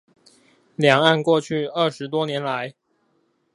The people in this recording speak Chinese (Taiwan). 兩岸過去二十多年來